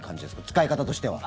使い方としては。